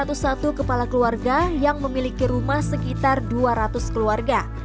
di desa ini ada tiga puluh satu kepala keluarga yang memiliki rumah sekitar dua ratus keluarga